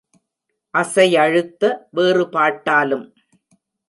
அசையழுத்த வேறுபாட்டாலும்